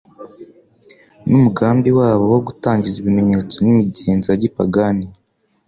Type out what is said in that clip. n'umugambi wabo wo gutangiza ibimenyetso n'imigenzo ya gipagani